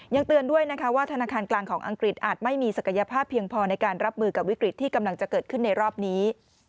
ยังเตือนด้วยนะคะว่าธนาคารกลางของอังกฤษอาจไม่มีศักยภาพเพียงพอในการรับมือกับวิกฤตที่กำลังจะเกิดขึ้นในรอบนี้